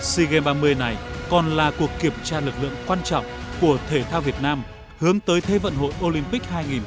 sea games ba mươi này còn là cuộc kiểm tra lực lượng quan trọng của thể thao việt nam hướng tới thế vận hội olympic hai nghìn hai mươi và asean hai nghìn hai mươi hai